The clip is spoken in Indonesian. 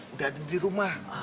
udah ada dirumah